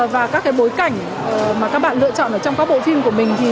và các bối cảnh mà các bạn lựa chọn ở trong các bộ phim của mình